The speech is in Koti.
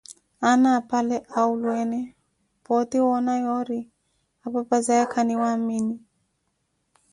Aana apale awulweene pooti woona yoori apapa zaya khaniwamini.